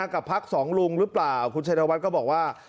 กับพักสองลุงหรือเปล่าคุณชัยธวัฒน์ก็บอกว่า